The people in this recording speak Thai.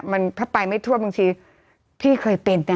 มันถ้าไปไม่ทั่วบางทีพี่เคยเป็น